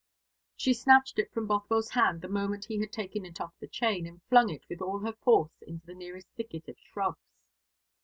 She snatched it from Bothwell's hand the moment he had taken it off the chain, and flung it with all her force into the nearest thicket of shrubs.